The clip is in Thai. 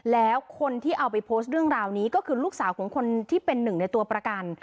แล้วคนที่เอาไปโพสต์เรื่องราวนี้ก็คือลูกสาวของคนที่เป็นหนึ่งในตัวประกัน